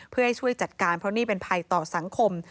เพื่อให้ช่วยจัดการเพราะนี่เป็นภัยต่อสังคม